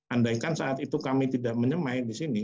andaikan saat itu kami tidak menyemai di sini